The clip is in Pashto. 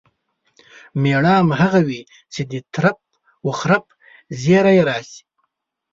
مېړه همغه وي چې د ترپ و خرپ زیري یې راشي.